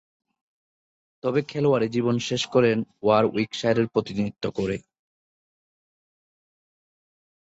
তবে খেলোয়াড়ী জীবন শেষ করেন ওয়ারউইকশায়ারের প্রতিনিধিত্ব করে।